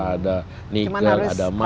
ada nikel ada emas